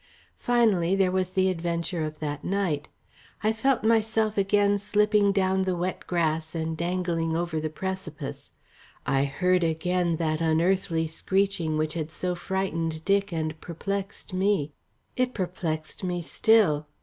Finally, there was the adventure of that night. I felt myself again slipping down the wet grass and dangling over the precipice. I heard again that unearthly screeching which had so frightened Dick and perplexed me, It perplexed me still.